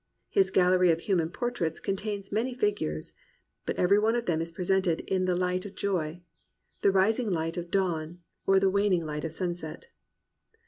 His gallery of human portraits contains many figures, but every one of them is presented in the hght of joy, — the rising hght of dawn, or the waning light of sunset.